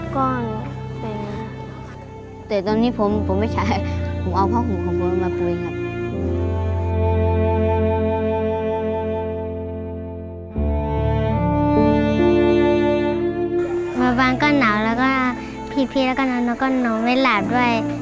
พรีแล้วก็นอนแล้วก็นอนไว้หลาดด้วย